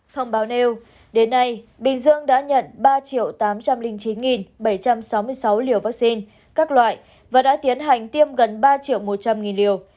thông báo nêu đến nay bình dương đã nhận ba tám trăm linh chín bảy trăm sáu mươi sáu liều vaccine các loại và đã tiến hành tiêm gần ba triệu một trăm linh liều